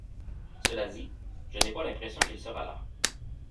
Cela dit, je n'ai pas l'impression qu'il sera là.